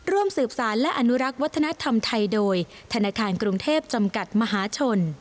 ร่วมสืบสารและอนุรักษ์วัฒนธรรมไทยโดยธนาคารกรุงเทพจำกัดมหาชน